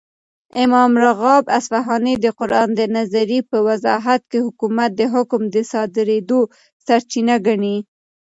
،امام راغب اصفهاني دقران دنظري په وضاحت كې حكومت دحكم دصادريدو سرچينه ګڼي